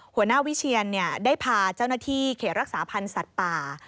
หัวหน้าวิเชียนได้พาเจ้าหน้าที่เขตรักษาพันธ์สัตว์ป่า